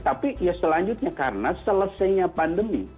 tapi ya selanjutnya karena selesainya pandemi